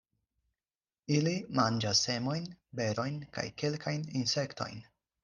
Ili manĝas semojn, berojn kaj kelkajn insektojn.